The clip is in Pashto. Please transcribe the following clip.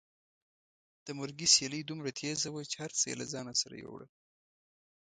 د مرګي سیلۍ دومره تېزه وه چې هر څه یې له ځان سره یوړل.